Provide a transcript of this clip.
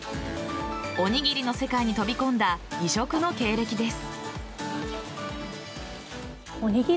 おにぎりの世界に飛び込んだ異色の経歴です。